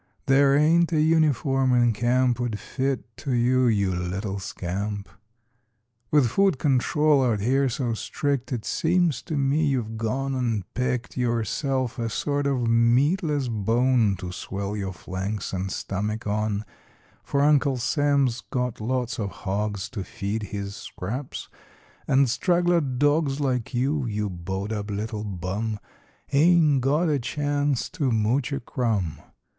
There ain't a uniform in camp 'Ould fit to you, you little scamp f With food control out here so strict It seems to me you've gone and picked Yourself a sort o' meatless bone To swell your flanks and stummick on, For Uncle Sam's got lots o r hogs To feed his scraps, and straggler dogs Like you, you bowed up little hum, Ain't got a chance to mooch a crumb!